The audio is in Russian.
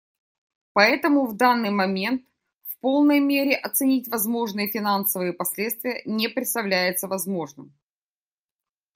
Поэтому в данный момент в полной мере оценить возможные финансовые последствия не представляется возможным.